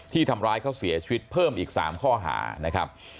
ทำร้ายเขาเสียชีวิตเพิ่มอีก๓ข้อหานะครับ